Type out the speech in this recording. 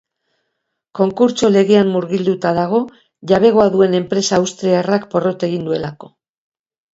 Konkurtso legean murgilduta dago, jabegoa duen enpresa austriarrak porrot egin duelako.